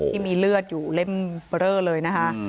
ที่มีเลือดอยู่เล่มเบอร์เรอเลยนะคะ